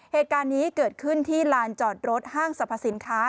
เหตุการณ์นี้เกิดขึ้นที่ลานจอดรถห้างสรรพสินค้า